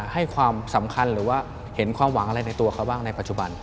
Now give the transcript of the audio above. ให้ความสำคัญหรือว่าเห็นความหวังอะไรในตัวเขาบ้างในปัจจุบัน